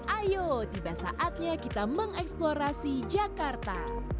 ayo tiba saatnya kita mengeksplorasi jakarta